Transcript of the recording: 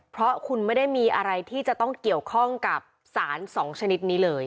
เพราะคุณไม่ได้มีอะไรที่จะต้องเกี่ยวข้องกับสาร๒ชนิดนี้เลย